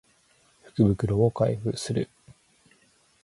福袋を開封する